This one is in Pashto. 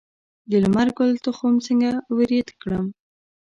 د لمر ګل تخم څنګه وریت کړم؟